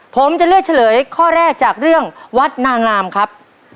ผมจะเลือกเฉลยข้อแรกจากเรื่องวัดนางามครับ